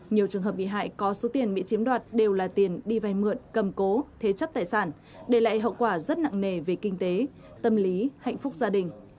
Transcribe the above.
nhiều trường hợp bị hại có số tiền bị chiếm đoạt đều là tiền đi vay mượn cầm cố thế chấp tài sản để lại hậu quả rất nặng nề về kinh tế tâm lý hạnh phúc gia đình